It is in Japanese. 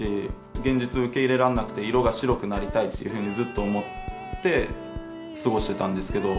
現実を受け入れられなくて色が白くなりたいっていうふうにずっと思って過ごしてたんですけど。